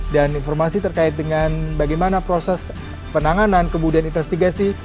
dan informasi terkait dengan bagaimana proses penanganan kemudian investigasi